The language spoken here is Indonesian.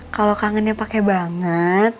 kalau kangennya pake banget